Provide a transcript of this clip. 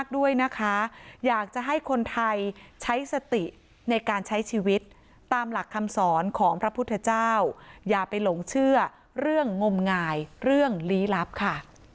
ด้วยนะคะอยากจะให้คนไทยใช้สติในการใช้ชีวิตตามหลักคำสอนของพระพุทธเจ้าอย่าไปหลงเชื่อเรื่องงมงายเรื่องลี้ลับค่ะ